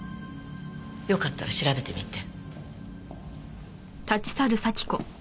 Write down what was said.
よかったら調べてみて。